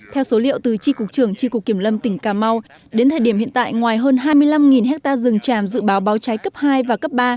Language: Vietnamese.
theo số liệu từ tri cục trưởng tri cục kiểm lâm tỉnh cà mau đến thời điểm hiện tại ngoài hơn hai mươi năm hectare rừng tràm dự báo báo cháy cấp hai và cấp ba